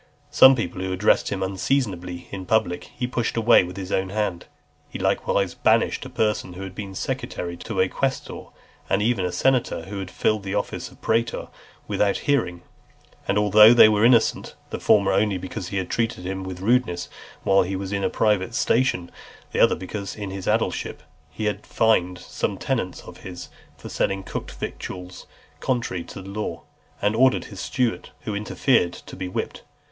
Some people who addressed him unseasonably in public, he pushed away with his own hand. He likewise banished a person who had been secretary to a quaestor, and even a senator who had filled the office of praetor, without a hearing, and although they were innocent; the former only because he had treated him with rudeness while he was in a private station, and the other, because in his aedileship he had fined some tenants of his, for selling cooked victuals contrary to law, and ordered his steward, who interfered, to be whipped.